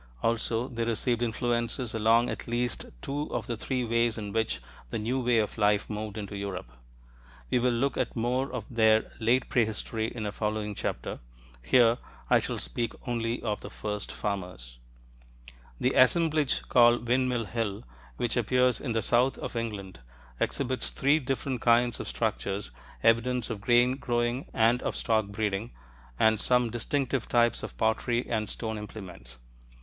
Also, they received influences along at least two of the three ways in which the new way of life moved into Europe. We will look at more of their late prehistory in a following chapter: here, I shall speak only of the first farmers. The assemblage called Windmill Hill, which appears in the south of England, exhibits three different kinds of structures, evidence of grain growing and of stock breeding, and some distinctive types of pottery and stone implements.